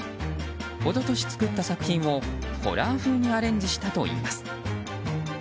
一昨年作った作品をホラー風にアレンジしたといいます。